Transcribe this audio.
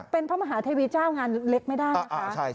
เป็นพระมหาเทวีเจ้างานเล็กไม่ได้นะคะ